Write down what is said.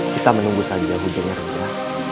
kita menunggu saja hujungnya raka